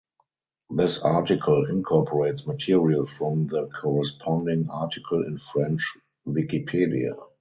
This article incorporates material from the corresponding article in French wikipedia.